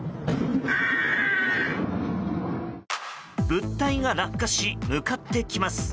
物体が落下し向かってきます。